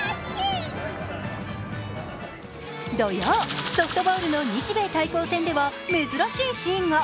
土曜、ソフトボールの日米対抗戦では珍しいシーンが。